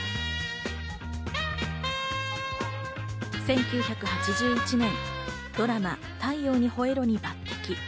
１９８１年ドラマ『太陽にほえろ！』に抜てき。